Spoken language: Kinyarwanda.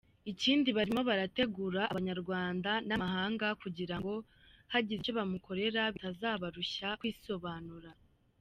Ikindi barimo barategura abanyarwanda n’amahanga kugira ngo hagize icyo bamukorera bitazabarushya kwisobanura.